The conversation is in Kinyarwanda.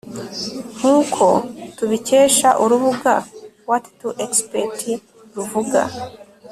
nk'uko tubikesha urubuga what to expect ruvuga